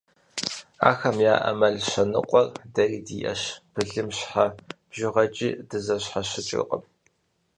Ахэм яӏэ мэл щэныкъуэр дэри диӏэщ, былым щхьэ бжыгъэкӏи дызэщхьэщыкӏыркъым.